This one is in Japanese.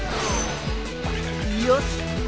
よし！